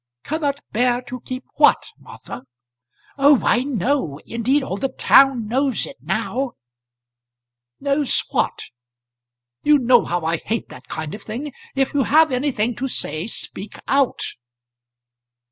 "Cannot bear to keep what, Martha?" "Oh, I know. Indeed all the town knows it now." "Knows what? You know how I hate that kind of thing. If you have anything to say, speak out."